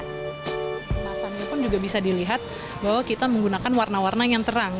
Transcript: kemasannya pun juga bisa dilihat bahwa kita menggunakan warna warna yang terang